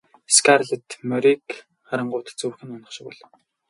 Скарлетт морийг харангуут зүрх нь унах шиг болов.